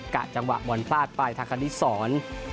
กะจังหวะวันพลาดไปทางคันนี้สอน